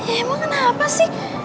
emang kenapa sih